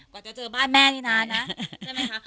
กว่าจะเจอบ้านแม่นี่นานนะ